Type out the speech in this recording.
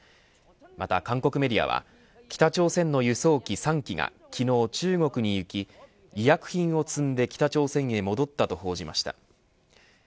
また韓国メディアは北朝鮮の輸送機３機が昨日中国に行き、医薬品を積んで北朝鮮に戻ったと報じました。